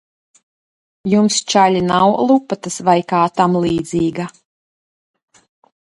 Jums čaļi nav lupatas vai kā tamlīdzīga?